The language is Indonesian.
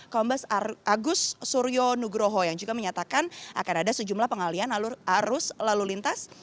kombes agus suryo nugroho yang juga menyatakan akan ada sejumlah pengalian arus lalu lintas